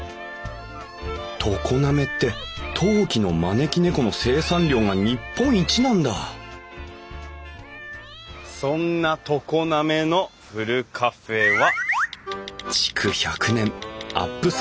常滑って陶器の招き猫の生産量が日本一なんだそんな常滑のふるカフェは？